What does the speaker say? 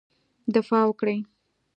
دفاع وکړی.